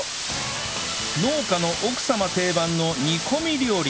農家の奥様定番の煮込み料理